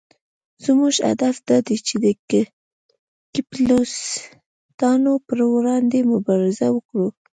زموږ هدف دا دی چې د کپیټلېستانو پر وړاندې مبارزه وکړو.